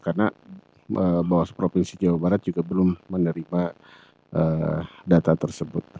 karena bawaslu provinsi jawa barat juga belum menerima data tersebut